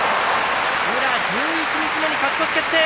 宇良、十一日目に勝ち越し決定。